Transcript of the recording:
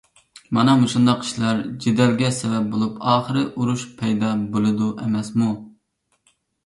مانا شۇنداق ئىشلار جېدەلگە سەۋەب بولۇپ، ئاخىر ئۇرۇش پەيدا بولىدۇ ئەمەسمۇ؟